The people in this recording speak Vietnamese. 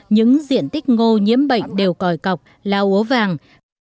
những diện tích ngô nhiễm bệnh đều còi cọc lau ố vàng